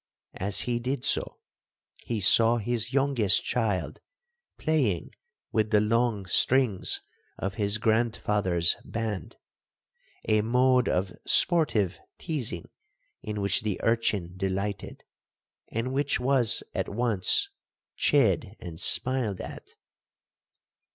As he did so, he saw his youngest child playing with the long strings of his grandfather's band,—a mode of sportive teazing in which the urchin delighted, and which was at once chid and smiled at.